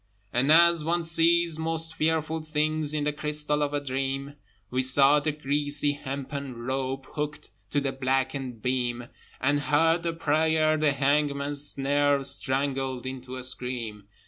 And as one sees most fearful things In the crystal of a dream, We saw the greasy hempen rope Hooked to the blackened beam, And heard the prayer the hangman's snare Strangled into a scream.